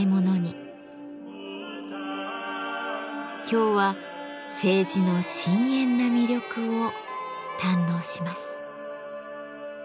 今日は青磁の深遠な魅力を堪能します。